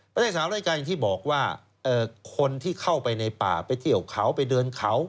ประเทศสหรัฐอเมริกาอย่างที่บอกว่าคนที่เข้าไปในป่าไปเที่ยวเขาไปเดินเขา